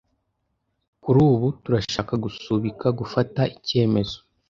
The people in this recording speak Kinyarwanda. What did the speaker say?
Kuri ubu, turashaka gusubika gufata icyemezo.